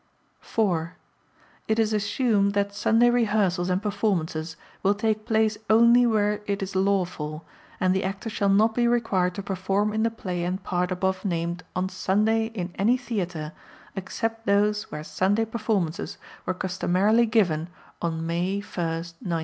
(4) It is assumed that Sunday rehearsals and performances will take place only where it is lawful, and the Actor shall not be required to perform in the play and part above named on Sunday in any theatre except those where Sunday performances were customarily given on May 1, 1924.